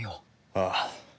ああ。